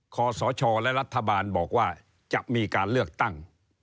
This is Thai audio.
ขอสชและรัฐบาลบอกว่าจะมีการเลือกตั้ง